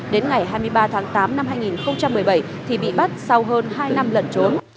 đến ngày hai mươi ba tháng tám năm hai nghìn một mươi bảy thì bị bắt sau hơn hai năm lẩn trốn